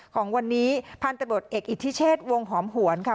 ของวันนี้พันธบทเอกอิทธิเชษวงหอมหวนค่ะ